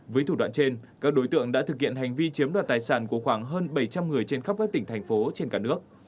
với thủ đoạn trên các đối tượng đã thực hiện hành vi chiếm đoạt tài sản của khoảng hơn bảy trăm linh người trên khắp các tỉnh thành phố trên cả nước